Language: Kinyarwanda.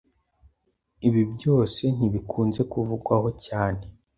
Ibi byose ntibikunze kuvugwaho cyane